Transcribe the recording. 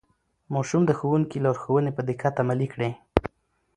ماشوم د ښوونکي لارښوونې په دقت عملي کړې